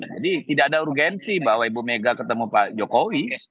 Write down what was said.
jadi tidak ada urgensi bahwa ibu mega ketemu pak jokowi